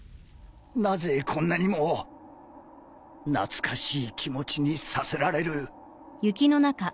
なぜこんなにも懐かしい気持ちにさせられる？